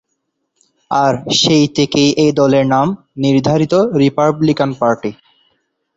আর সেই থেকে এই দলের নাম নির্ধারিত রিপাবলিকান পার্টি।